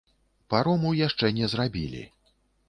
Парому яшчэ не зрабілі.